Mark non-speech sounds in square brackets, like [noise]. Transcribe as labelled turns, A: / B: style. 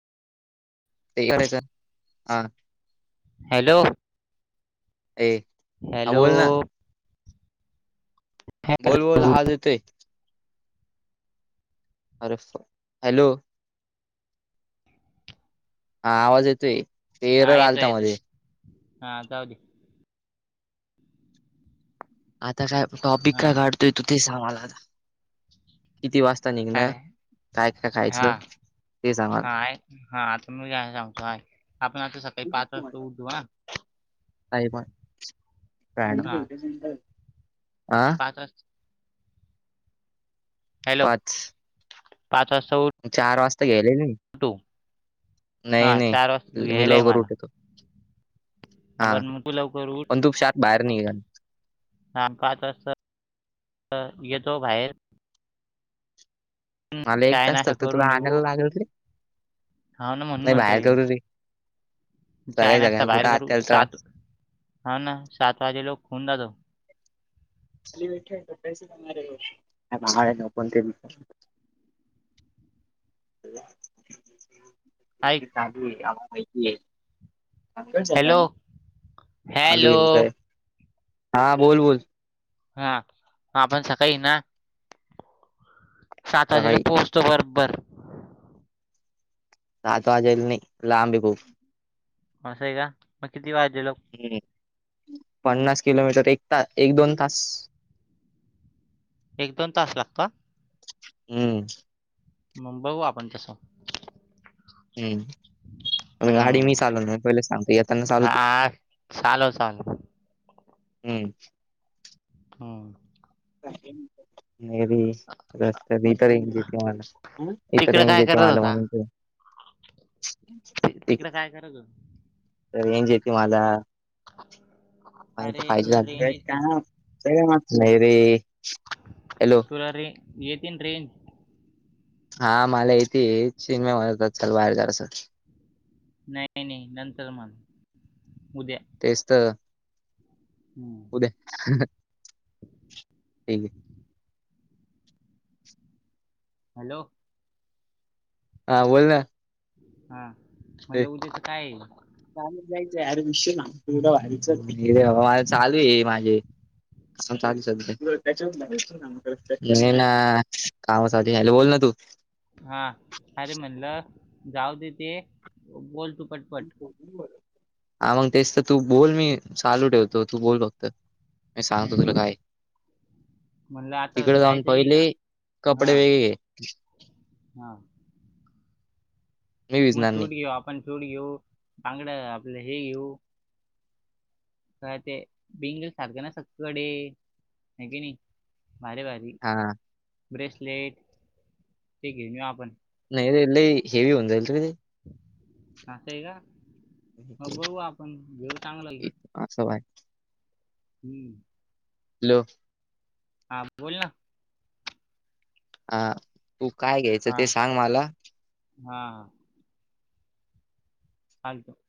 A: ते करायचं हा.
B: हॅलो.
A: ये.
B: हॅलो.....
A: बोल, बोल
B: हॅलो
A: आवाज येतोय. अरे, हॅलो. हा आवाज येतोय. ते
B: हा
A: एरर
B: येतोय
A: आलता
B: येतोय
A: मध्ये
B: हा जाउदे
A: आता काय टॉपिक
B: हा
A: काय काढतोय तू ते सांग मला आता. किती वाजता निघण,
B: काय
A: काय काय
B: हा
A: खायचं ते सांग मला
B: हा ऐक हा आता मी काय सांगतो काय आपण आता सकाळी पाच वाजता उठू हं. हा
A: [inaudible]
B: [inaudible] हॅलो,
A: पाच
B: पाच वाजता उठ.
A: चार वाजता घेलय नी.
B: [inaudible]
A: नाही,
B: हा चार वाजता तू
A: नाही मी
B: घ्यायला ये
A: लवकर
B: मला
A: उठीतो. हा,
B: बरं मग तू लवकर उठ
A: पणं तु शांत बाहेर निघ हं.
B: नाम पाच वाजत येतो बाहेर
A: मला एक
B: चाय
A: तास
B: नाश्ता
A: फक्त तुला आणायला लागल तर.
B: हा न म्हणून म्हणतय ई.
A: करू रे
B: चाय,
A: सगळ्या
B: नास्ता
A: सगळ्या कुठं
B: बाहेर करू
A: आत्याला
B: सात हा ना सात वाजेल होऊन जातो.
A: कोणत्या बी ठेव. [inaudible]
B: आइक
A: काबुळे आत माहितीय
B: हॅलो हॅलो
A: आलोय कुठं हां बोल बोल
B: हा आपण सकाळी ना सात वाजेला
A: सकाळी
B: पोहोचतो बरोबर.
A: हा तो आलेला नाही लांबय खूप.
B: असय का मग किती वाजललो
A: हम्म पन्नास किलोमीटर एक ता एक दोन तास.
B: एक दोन तास लागतो
A: हम्म
B: मग बघू आपण तस.
A: हम्म गाडी मी चालवणार म पहिले सांगतो. येताना चालव तु
B: हा चालव चालव
A: हम्म
B: हा
A: घराकडे ये रस्त्या इथं रेंग येते मला. इथं रेंज येते मला म्हणायचं
B: तिकड काय कराच?
A: रेंज येते माला
B: [inaudible]
A: काय तर पाहिज
B: तुला
A: झा
B: रेंज येते
A: का? सगळ नाही रे. हॅलो
B: तुला रे येतीनं रेंज
A: हा मला येतेय. सिनम म्हणत होता चल बाहेर जरासं
B: नाही नाही नंतर म्हन उद्या.
A: तेच त,
B: हम्म.
A: उद्या ह हे घे.
B: हॅलो.
A: हा बोल ना.
B: हा म्हणलं उद्याच काय आहे?
A: चालत जायचं यार दि [unintelligible] ना वारीच चालू आहे माझे. चास हजार त्याच्या [inaudible] म नाही ना, कामासाठी आलो बोल ना तू
B: हा अरे म्हणलं जाऊ दे ते बोल तुपटपट.
A: [inaudible] हा मग तेच तर तू बोल मी चालू ठेवतो तू बोल फक्त. मी सांगतो
B: हम्म.
A: तुला काय
B: म्हणलं आता
A: तिकडे जाऊन
B: जायचं नाही
A: पहिले
B: का
A: कपडे
B: हा.
A: मी
B: म
A: भिजणार नाही
B: सूट घेऊ आपण सूट घेऊ बांगड्याआपलं हे घेऊ. काय ते बिंगल सारखे नसनात कडे हाय की नाही भारी भारी
A: हा.
B: ब्रेसलेट ते घेऊन येऊ आपण.
A: नाही रे लई हे वी हुन जाई त क ते.
B: आस हे का मग बघू आपण घेऊ चांगलं घेऊ.
A: आ स वय.
B: हम्म.
A: हॅलो.
B: हा बोल ना.
A: अ तू काय
B: हा
A: घ्यायचं ते सांग माला.
B: हा. आलतो.